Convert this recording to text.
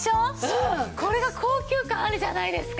これが高級感あるじゃないですか。